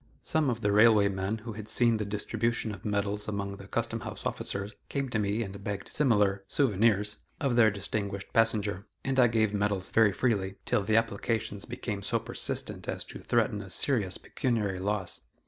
Some of the railway men who had seen the distribution of medals among the Custom house officers came to me and begged similar "souvenirs" of their distinguished passenger, and I gave the medals very freely, till the applications became so persistent as to threaten a serious pecuniary loss.